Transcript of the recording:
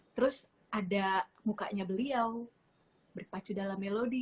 terus ada mukanya beliau berpacu dalam melodi